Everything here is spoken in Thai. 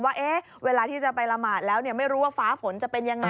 ว่าเวลาที่จะไปละหมาดแล้วไม่รู้ว่าฟ้าฝนจะเป็นยังไง